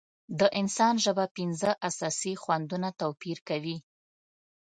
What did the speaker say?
د انسان ژبه پنځه اساسي خوندونه توپیر کوي.